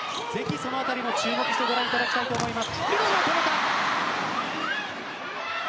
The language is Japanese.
そのあたりも注目してご覧いただきたいと思います。